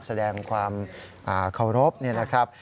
แสดงความเคารพเนี่ยนะครับ